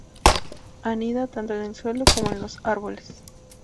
Anida tanto en el suelo como en los árboles.